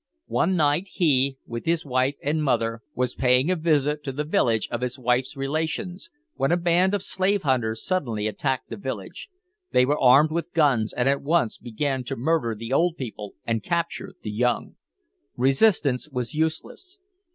One night he, with his wife and mother, was paying a visit to the village of his wife's relations, when a band of slave hunters suddenly attacked the village. They were armed with guns, and at once began to murder the old people and capture the young. Resistance was useless.